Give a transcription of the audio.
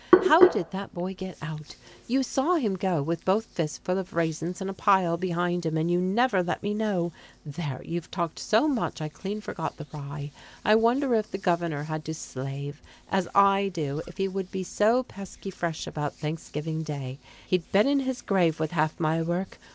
How did that boy get out? You saw him go With both fists full of raisins and a pile Behind him, and you never let me know! There! you've talked so much I clean forgot the rye. I wonder if the Governor had to slave As I do, if he would be so pesky fresh about Thanksgiving Day? He'd been in his grave With half my work.